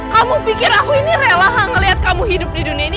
kamu pikir aku ini rela ngeliat kamu hidup di dunia ini